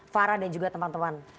farah dan juga teman teman